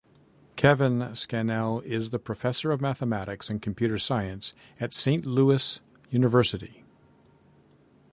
Kevin Scannell is the professor of mathematics and computer science at Saint Louis University.